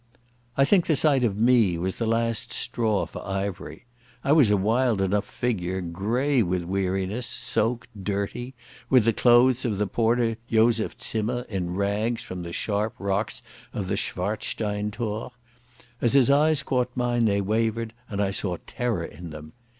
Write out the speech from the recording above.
I think the sight of me was the last straw for Ivery. I was a wild enough figure, grey with weariness, soaked, dirty, with the clothes of the porter Joseph Zimmer in rags from the sharp rocks of the Schwarzsteinthor. As his eyes caught mine they wavered, and I saw terror in them.